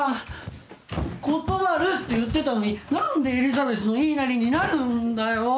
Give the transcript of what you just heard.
断るって言ってたのに何でエリザベスの言いなりになるんだよ！